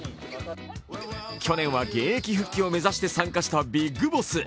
去年は現役復帰を目指して参加したビッグボス。